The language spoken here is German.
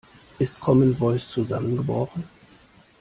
Ist Commen Voice zusammengebrochen?